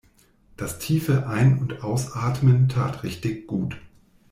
Das tiefe Ein- und Ausatmen tat richtig gut.